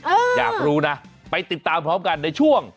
อยากรู้นะไปติดตามพร้อมกันในช่วง